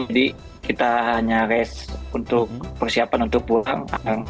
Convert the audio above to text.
jadi kita hanya rest untuk persiapan untuk pulang